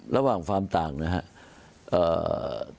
ระหว่างความต่างนะครับ